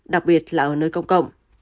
đặc biệt là ở nơi công cộng